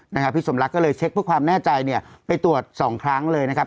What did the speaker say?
พี่สมรักก็เลยเช็คเพื่อความแน่ใจเนี่ยไปตรวจสองครั้งเลยนะครับ